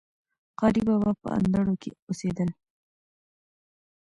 قاري بابا په اندړو کي اوسيدل